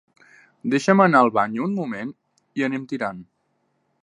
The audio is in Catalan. Deixa'm anar al bany un moment i anem tirant.